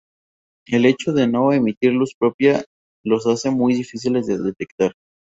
El hecho de no emitir luz propia los hace muy difíciles de detectar.